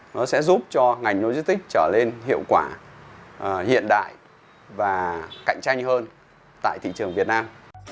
nó sẽ giúp cho ngành logistics trở lên hiệu quả hiện đại và cạnh tranh hơn tại thị trường việt nam